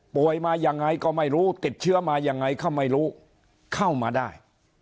มายังไงก็ไม่รู้ติดเชื้อมายังไงก็ไม่รู้เข้ามาได้